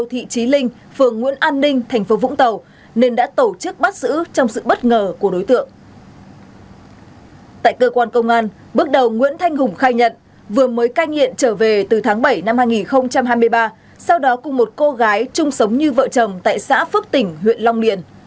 hùng mới cai nghiện trở về từ tháng bảy năm hai nghìn hai mươi ba sau đó cùng một cô gái chung sống như vợ chồng tại xã phước tỉnh huyện long liện